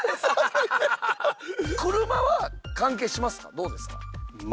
どうですか？